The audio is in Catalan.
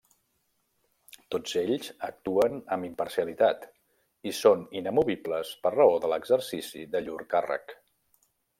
Tots ells actuen amb imparcialitat i són inamovibles per raó de l’exercici de llur càrrec.